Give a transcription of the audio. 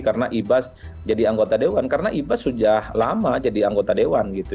karena ibas sudah lama jadi anggota dewan